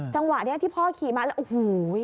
จังหวะนี้ที่พ่อขี่มาแล้วโอ้โห